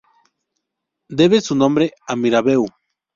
Debe su nombre a Mirabeau.